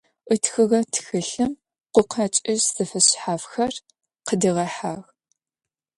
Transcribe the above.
Ытхыгъэ тхылъым гукъэкӏыжь зэфэшъхьафхэр къыдигъэхьагъ.